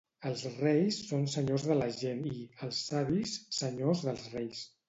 Els reis són senyors de la gent i, els savis, senyors dels reis.